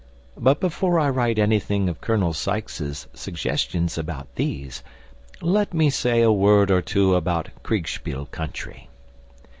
But before I write anything of Colonel Sykes' suggestions about these, let me say a word or two about Kriegspiel "country."